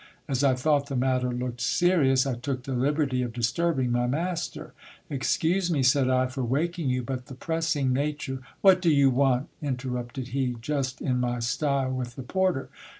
As I thought the matter looked serious, I took the liberty of disturbing my master. Excuse me, said I, for waking you, but the pressing nature What do you want ? interrupted he, just in my style with the porter.